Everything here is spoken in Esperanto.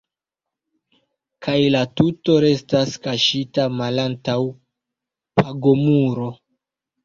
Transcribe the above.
Kaj la tuto restas kaŝita malantaŭ pagomuro.